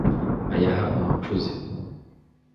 ayaha umucuzi